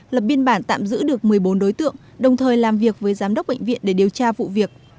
lập biên bản tạm giữ được một mươi bốn đối tượng đồng thời làm việc với giám đốc bệnh viện để điều tra vụ việc